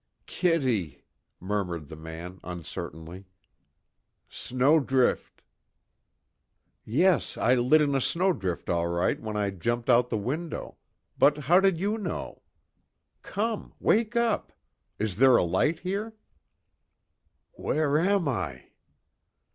"Kitty," murmured the man, uncertainly. "Snowdrift!" "Yes I lit in a snowdrift all right when I jumped out the window but how did you know? Come wake up! Is there a light here?" "Where am I?"